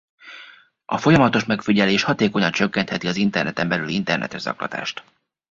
A folyamatos megfigyelés hatékonyan csökkentheti az interneten belüli internetes zaklatást.